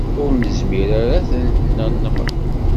Ur nezmir ara ad ten-nenɣ.